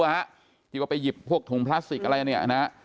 หรือว่าไปหยิบพวกถุงพลาสติกอะไร